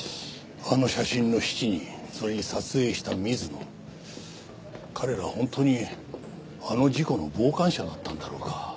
あの写真の７人それに撮影した水野彼らは本当にあの事故の傍観者だったんだろうか？